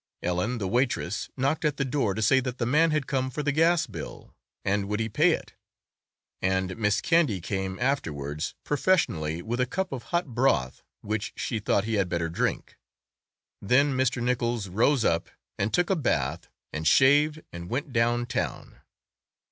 Ellen, the waitress, knocked at the door to say that the man had come for the gas bill, and would he pay it? And Miss Candy came afterwards professionally with a cup of hot broth, which she thought he had better drink. Then Mr. Nichols rose up and took a bath and shaved and went down town.